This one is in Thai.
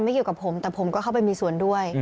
เกี่ยวกับผมแต่ผมก็เข้าไปมีส่วนด้วย